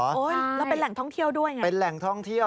แล้วเป็นแหล่งท่องเที่ยวด้วยไงเป็นแหล่งท่องเที่ยว